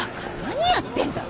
何やってんだ？